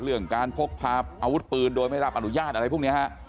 เรื่องการพกพาอาวุธปืนโดยไม่รับอนุญาตอะไรพวกนี้ฮะ